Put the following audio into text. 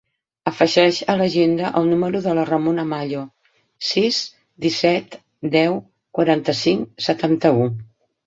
Afegeix a l'agenda el número de la Ramona Mallo: sis, disset, deu, quaranta-cinc, setanta-u.